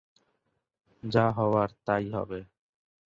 যা হওয়ার তাই হবে।